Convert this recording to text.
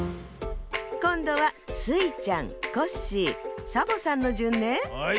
こんどはスイちゃんコッシーサボさんのじゅんね。